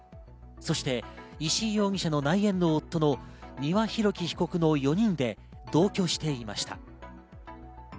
そして石井容疑者の内縁の夫の丹羽洋樹被告の４人で同居していました。